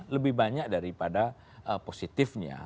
lebih banyak daripada positifnya